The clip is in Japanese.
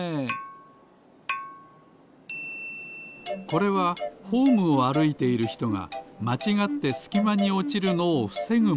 これはホームをあるいているひとがまちがってすきまにおちるのをふせぐもの。